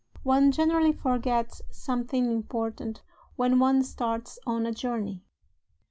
One generally forgets something important when one starts on a journey.